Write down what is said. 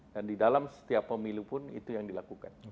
dan di dalam setiap pemilu pun itu yang dilakukan